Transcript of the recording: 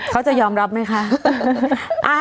เขาจะยอมรับไหมคะ